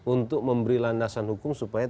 untuk memberi landasan hukum supaya